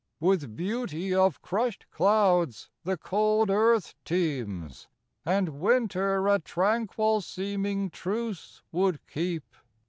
With beauty of crushed clouds the cold earth teems, And winter a tranquil seeming truce would keep.